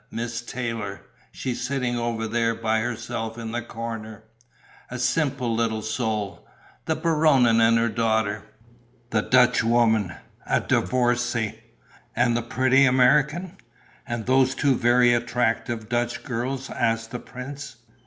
"Miss Taylor: she's sitting over there, by herself in the corner. A simple little soul.... The Baronin and her daughter.... The Dutchwoman: a divorcée.... And the pretty American." "And those two very attractive Dutch girls?" asked the prince.